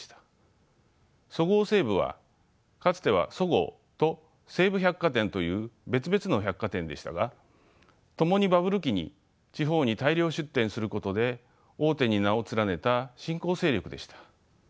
そごう・西武はかつてはそごうと西武百貨店という別々の百貨店でしたがともにバブル期に地方に大量出店することで大手に名を連ねた新興勢力でした。